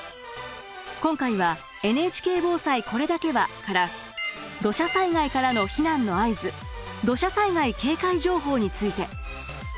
今回は「ＮＨＫ防災これだけは」から土砂災害からの避難の合図「土砂災害警戒情報」について。